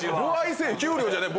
給料じゃない。